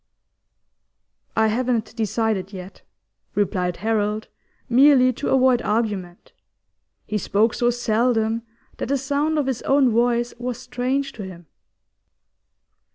'I haven't decided yet,' replied Harold, merely to avoid argument. He spoke so seldom that the sound of his own voice was strange to him.